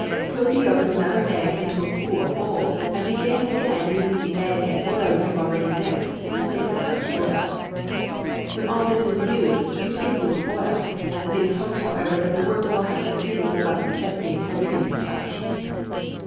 Put the yolk of another egg into a cool bowl, and begin again using the egg and oil you have already mixed, in place of fresh oil. When this is all used, proceed with the oil (it is hoped, however, that the work will have proceeded without the necessity for beginning afresh).